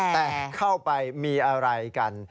แต่เข้าไปมีอะไรกัน